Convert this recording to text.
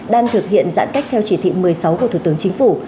đang thực hiện giãn cách theo chỉ thị một mươi sáu của thủ tướng chính phủ